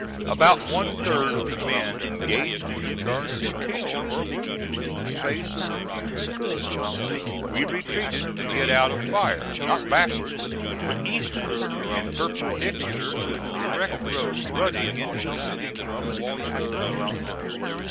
About one third of the men engaged in the charge were killed or wounded in the space of a few minutes. We retreated to get out of fire, not backward, but eastward and perpendicular to the direct road running into the city from Walnut Springs.